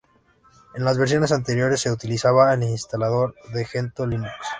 En las versiones anteriores, se utilizaba el "instalador de Gentoo Linux".